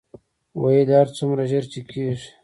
ویل یې هر څومره ژر چې کېږي.